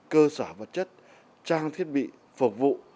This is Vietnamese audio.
cơ sở vật chất trang thiết bị phục vụ